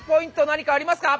何かありますか？